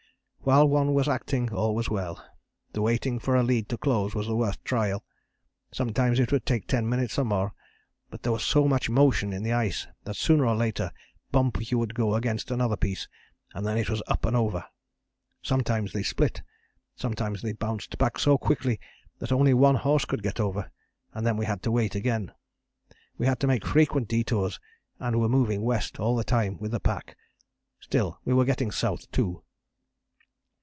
While one was acting all was well, the waiting for a lead to close was the worst trial. Sometimes it would take 10 minutes or more, but there was so much motion in the ice that sooner or later bump you would go against another piece, and then it was up and over. Sometimes they split, sometimes they bounced back so quickly that only one horse could get over, and then we had to wait again. We had to make frequent detours and were moving west all the time with the pack, still we were getting south, too.